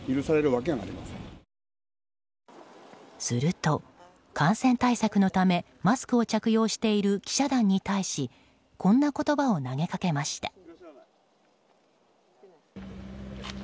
すると、感染対策のためマスクを着用している記者団に対しこんな言葉を投げかけました。